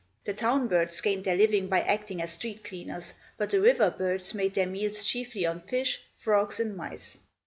The town birds gained their living by acting as street cleaners, but the river birds made their meals chiefly on fish, frogs, and mice.